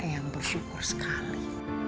eyang bersyukur sekali